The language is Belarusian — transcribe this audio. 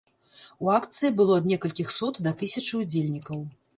У акцыі было ад некалькіх сот да тысячы ўдзельнікаў.